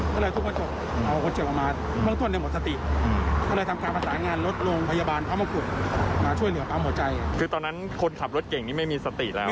ขอทุกประจกหวังต้นเราขอทุกประจกหวังเติบมาเพิ่งต้นในหมดสติ